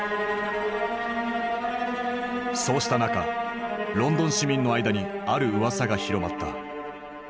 そうした中ロンドン市民の間にあるうわさが広まった。